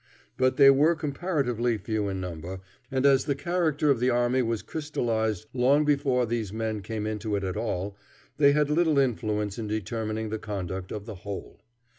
But they were comparatively few in number, and as the character of the army was crystallized long before these men came into it at all, they had little influence in determining the conduct of the whole.